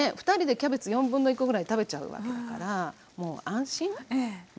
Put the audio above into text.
２人でキャベツ1/4コぐらい食べちゃうわけだからもう安心。